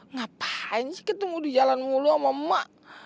ngapain sih ketemu di jalan mulu sama emak